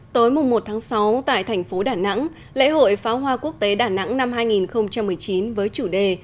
tối một sáu tại thành phố đà nẵng lễ hội pháo hoa quốc tế đà nẵng năm hai nghìn một mươi chín với chủ đề